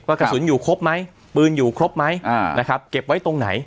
กระสุนอยู่ครบไหมปืนอยู่ครบไหมอ่านะครับเก็บไว้ตรงไหน